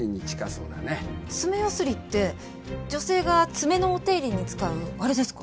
爪ヤスリって女性が爪のお手入れに使うあれですか？